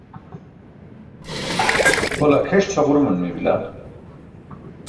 Hole akheṣ ćʰaġuruman meeybila.